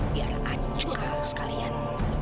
biar ancur sekalian